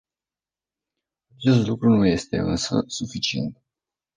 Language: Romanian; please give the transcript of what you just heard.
Acest lucru nu este, însă, suficient.